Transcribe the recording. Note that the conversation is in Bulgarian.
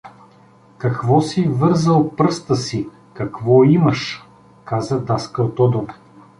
— Какво си вързал пръста си, какво имаш? — каза даскал Тодор.